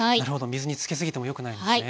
水につけすぎてもよくないんですね。